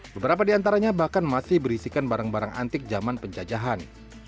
beberapa di antaranya bahkan masih berisikan barang barang antik zaman penjajahan